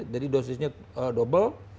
jadi dosisnya double